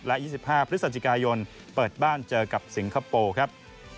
และ๒๕พฤศจิกายนเปิดบ้านเจอกับสิงคโปร์ครับ